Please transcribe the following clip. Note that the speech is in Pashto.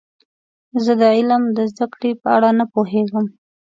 زه د علم د زده کړې په اړه نه پوهیږم.